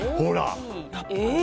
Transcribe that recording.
ほら！